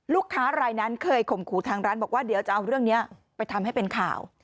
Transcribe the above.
ลูกค้ารายนั้นเคยข่มขู่ทางร้านบอกว่าเดี๋ยวจะเอาเรื่องนี้ไปทำให้เป็นข่าว